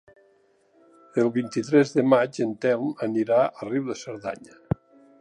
El vint-i-tres de maig en Telm anirà a Riu de Cerdanya.